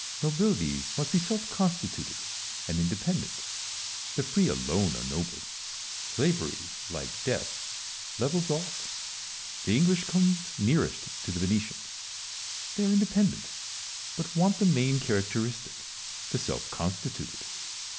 Nobility must be self constituted and independent : the free alone are noble ; slavery, like death, 240 IMA GIN A R V CON VERS A TIONS. levels all. The English comes nearest to the Venetian : they are independent, but want the main characteristic, the self constituted.